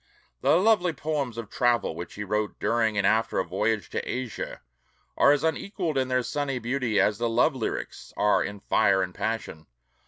The lovely poems of travel which he wrote during and after a voyage to Asia are as unequaled in their sunny beauty as the love lyrics are in fire and passion.